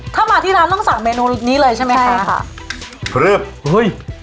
ถ้ามาที่น้ำต้องสั่งเมนูนี้เลยใช่ไหมคะใช่ค่ะเฮ้ยอ๋อ